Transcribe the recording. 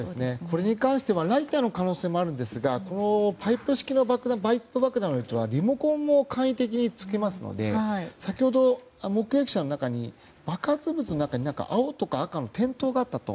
これに関してはライターの可能性もあるんですがこのパイプ爆弾はリモコンも簡易的につきますので先ほど目撃者の中に爆発物の中に何か、青とか赤の点灯があったと。